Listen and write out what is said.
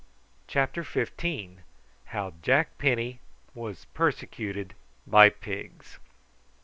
CHAPTER FIFTEEN. HOW JACK PENNY WAS PERSECUTED BY PIGS.